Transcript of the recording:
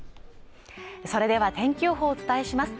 それでは天気予報をお伝えします